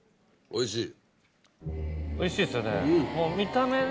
おいしい。